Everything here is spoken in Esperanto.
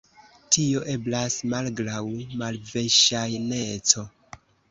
Tio eblas malgraŭ malverŝajneco.